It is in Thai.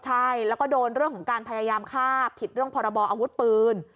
ใช่แล้วก็โดนเรื่องของการพยายามฆ่าผิดเรื่องพรบออาวุธปืน